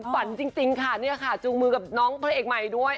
ฝันจริงค่ะเนี่ยค่ะจูงมือกับน้องพระเอกใหม่ด้วย